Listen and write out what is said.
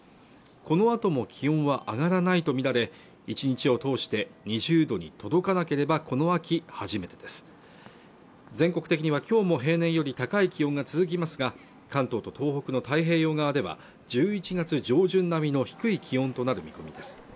このあとも気温は上がらないと見られ１日を通して２０度に届かなければこの秋初めてです全国的にはきょうも平年より高い気温が続きますが関東と東北の太平洋側では１１月上旬並みの低い気温となる見込みです